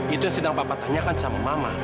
itu yang sedang bapak tanyakan sama mama